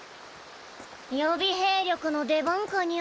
予備兵力の出番かニャ？